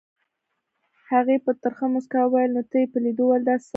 هغې په ترخه موسکا وویل نو ته یې په لیدو ولې داسې سره شوې؟